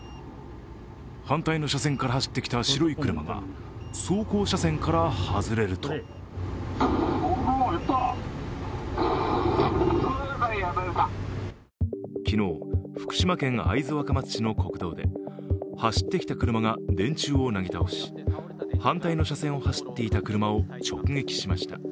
反対の車線から走ってきた白い車が走行車線から外れると昨日、福島県会津若松市の国道で走ってきた車が電柱をなぎ倒し、反対の車線を走っていた車を直撃しました。